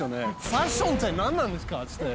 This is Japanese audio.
ファッションって何なんですかって言って。